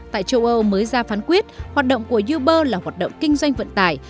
tại châu âu mới ra phán quyết hoạt động của uber là hoạt động kinh doanh vận tải